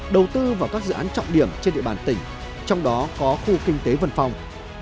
đầu tư vào các dự án trọng điểm trên địa bàn tỉnh trong đó có khu kinh tế vân phòng